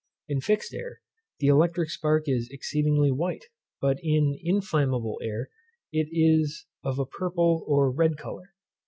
In fixed air, the electric spark is exceedingly white; but in inflammable air it is of a purple, or red colour.